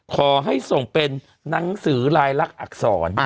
ขอให้ส่งเป็นหนังสือลายลักษณ์อักษร